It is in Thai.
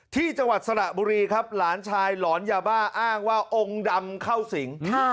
จังหวัดสระบุรีครับหลานชายหลอนยาบ้าอ้างว่าองค์ดำเข้าสิง